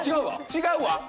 違うわ？